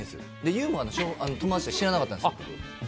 優馬の友達って知らなかったんですよ。